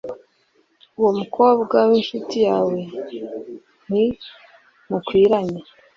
uwo mukobwa w incuti yawe nti mukwiranye.